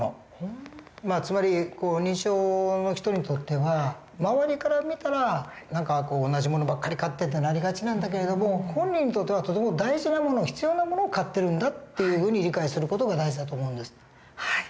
つまり認知症の人にとっては周りから見たら何か「同じ物ばっかり買って」ってなりがちなんだけれども本人にとってはとても大事な物必要な物を買ってるんだっていうふうに理解する事が大事だと思うんです。